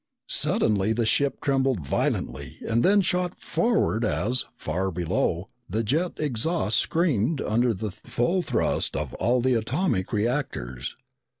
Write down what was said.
Suddenly the ship trembled violently and then shot forward as, far below, the jet exhausts screamed under the full thrust of all the atomic reactors.